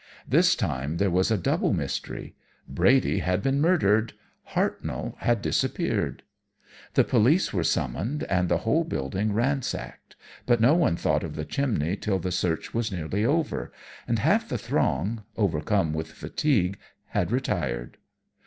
"This time there was a double mystery. Brady had been murdered Hartnoll had disappeared. The police were summoned and the whole building ransacked; but no one thought of the chimney till the search was nearly over, and half the throng overcome with fatigue had retired.